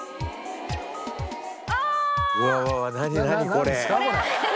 これ。